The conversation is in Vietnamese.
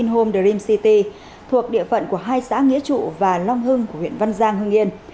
nghĩa trụ và long hưng của huyện văn giang hương yên